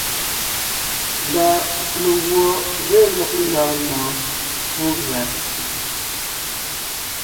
Mba meguɔ ge lɔg ndɔɔn ndɔɔn pú gʉa.